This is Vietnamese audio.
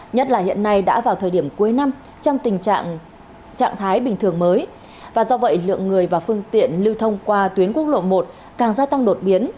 nhất là hiện nay đã vào thời điểm cuối năm trong tình trạng trạng thái bình thường mới và do vậy lượng người và phương tiện lưu thông qua tuyến quốc lộ một càng gia tăng đột biến